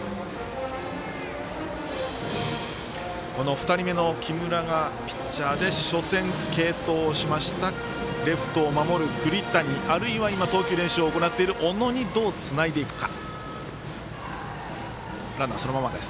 ２人目の木村がピッチャーで初戦、継投しましたレフトを守る栗谷あるいは今投球練習を行っている小野にどうつないでいくか。